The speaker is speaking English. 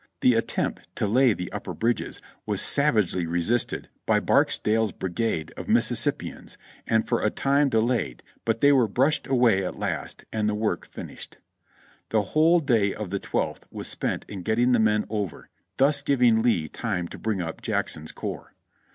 The attempt to lay the upper bridges was savagely resisted by Barksdale's brigade of Mississippians, and for a time delayed, but they were brushed away at last, and the work finished. The whole day of the twelfth was spent in getting the men over, thus giving Lee time to bring up Jackson's corps.